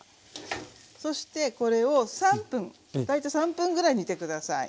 そしてこれを３分大体３分ぐらい煮て下さい。